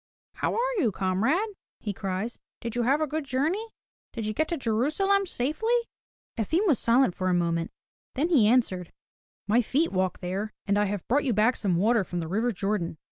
"How are you, comrade?" he cries. "Did you have a good journey? Did you get to Jerusalem safely?" Efim was silent for a moment, then he answered: "My feet walked there, and I have brought you back some water from the river Jordan.